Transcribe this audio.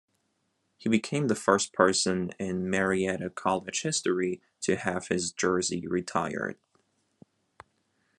He became the first person in Marietta College history to have his jersey retired.